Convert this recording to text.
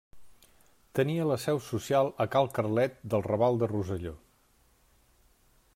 Tenia la seu social a cal Carlet del raval de Rosselló.